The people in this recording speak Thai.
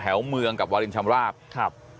แถวเมืองกับวอริญชามาราภ